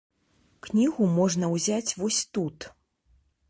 Кнігу можна ўзяць вось тут.